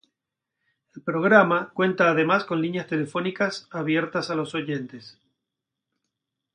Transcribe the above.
El programa cuenta además con líneas telefónicas abiertas a los oyentes.